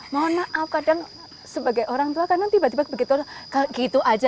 mohon maaf kadang sebagai orang tua kadang tiba tiba begitu aja